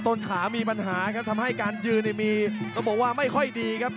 ต้นขามีปัญหาครับทำให้การยืนเนี่ยมีต้องบอกว่าไม่ค่อยดีครับ